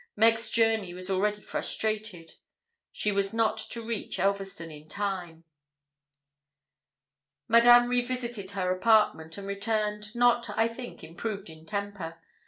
Meg's journey was already frustrated: she was not to reach Elverston in time. Madame revisited her apartment, and returned, not, I think, improved in temper.